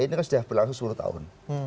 ini kan sudah berlangsung sepuluh tahun